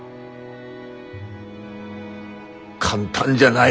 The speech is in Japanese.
簡単じゃない。